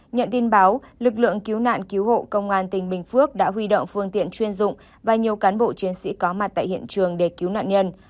nhận tin báo lực lượng cứu nạn cứu hộ công an tỉnh bình phước đã huy động phương tiện chuyên dụng và nhiều cán bộ chiến sĩ có mặt tại hiện trường để cứu nạn nhân